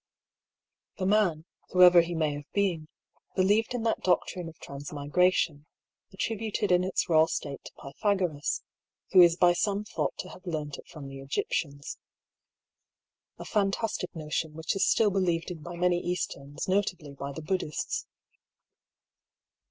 EXTRACT PROM DIARY OF HUGH PAULL. 4^ The man, whoever he may have been, believed in that doctrine of transmigration, attributed in its raw state to Pythagoras, who is by some thought to have learnt it from the Egyptians ; a fantastic notion which is still believed in by many Easterns, notably by the Buddhists.